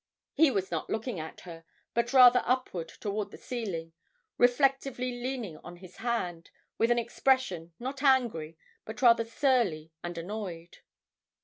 He was not looking at her, but rather upward toward the ceiling, reflectively leaning on his hand, with an expression, not angry, but rather surly and annoyed.